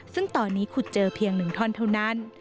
ซึ่งตอนนี้ขุดเจอเพียง๑ท่อนเท่านั้น